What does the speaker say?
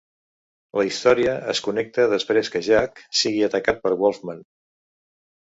La història es connecta després que Jack sigui atacat per Wolfman.